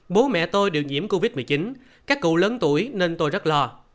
bố mẹ tôi đều nhiễm covid một mươi chín các cụ lớn tuổi nên tôi rất lo